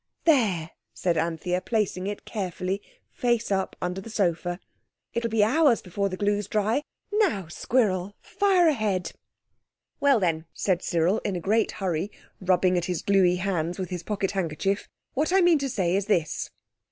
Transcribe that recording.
"There!" said Anthea, placing it carefully, face up, under the sofa. "It'll be hours before the glue's dry. Now, Squirrel, fire ahead!" "Well, then," said Cyril in a great hurry, rubbing at his gluey hands with his pocket handkerchief. "What I mean to say is this."